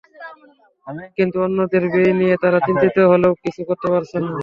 কিন্তু অন্যদের ব্যয় নিয়ে তাঁরা চিন্তিত হলেও কিছু করতে পারছেন না।